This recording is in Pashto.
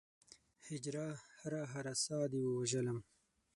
هجره! هره هره ساه دې ووژلم